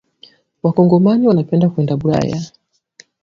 Wakongomani wanapenda kwenda bulaya